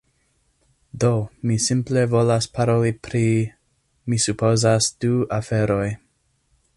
Do, mi simple volas paroli pri... mi supozas du aferoj